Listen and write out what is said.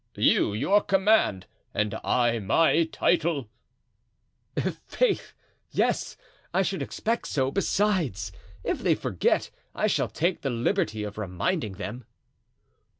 "You your command, and I my title?" "I'faith! yes—I should expect so; besides, if they forget, I shall take the liberty of reminding them."